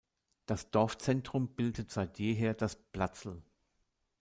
Das Dorfzentrum bildet seit jeher das „Platzl“.